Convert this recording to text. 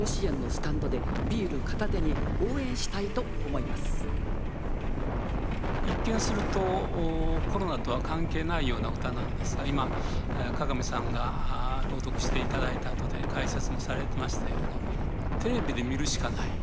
続いては一見するとコロナとは関係ないような歌なんですが今加賀美さんが朗読して頂いたあとで解説もされてましたようにテレビで見るしかない。